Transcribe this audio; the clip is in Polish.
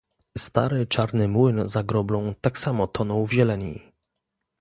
"Stary czarny młyn za groblą tak samo tonął w zieleni."